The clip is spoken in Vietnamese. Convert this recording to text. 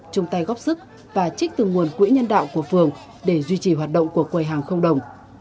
chung tay góp sức và trích từ nguồn quỹ nhân đạo của phường để duy trì hoạt động của quầy hàng không đồng